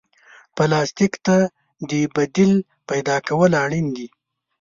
پلاستيک ته د بدیل پیدا کول اړین دي.